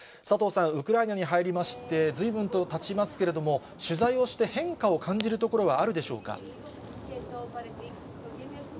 佐藤さん、ウクライナに入りまして、ずいぶんとたちますけれども、取材をして、変化を感じるところはあるでしょうか。